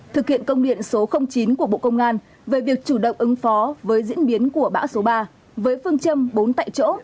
thực hiện công điện số chín của bộ công an về việc chủ động ứng phó với diễn biến của bão số ba với phương châm bốn tại chỗ